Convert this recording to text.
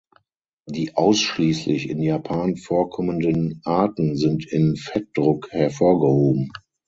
Die ausschließlich in Japan vorkommenden Arten sind in Fettdruck hervorgehoben.